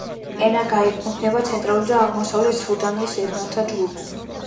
ენა განეკუთვნება ცენტრალურ და აღმოსავლეთ სუდანის ენათა ჯგუფს.